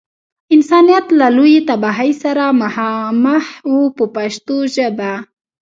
انسانیت له لویې تباهۍ سره مخامخ و په پښتو ژبه.